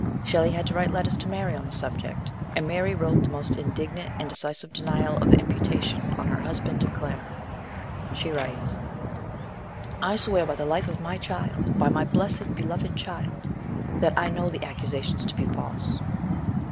Shelley had to write letters to Mary on the subject, and Mary wrote the most indignant and decisive denial of the imputation on her husband and Claire. She writes :" I swear by the life of my child, by my blessed beloved child, that I know the accusations to be false."